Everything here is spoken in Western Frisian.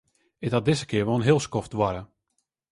It hat diskear wol in hiel skoft duorre.